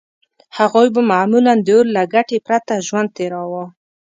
هغوی به معمولاً د اور له ګټې پرته ژوند تېراوه.